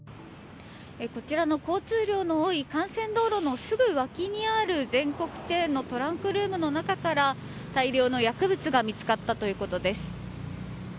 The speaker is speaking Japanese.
交通量の多い幹線道路のすぐ脇にある全国チェーンのトランクルームの中から大量の薬物が見つかったということです。